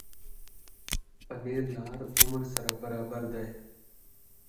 پنېر له هر عمر سره برابر دی.